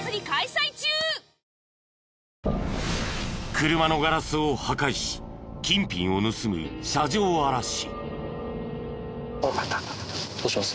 車のガラスを破壊し金品を盗む車上荒らし。